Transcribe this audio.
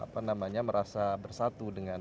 semuanya merasa bersatu dengan